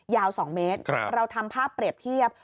ยาว๒เมตรเราทำภาพเปรียบเทียบ